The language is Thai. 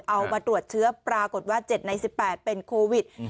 เอามาตรวจเชื้อปรากฏว่า๗ใน๑๘เป็นโควิด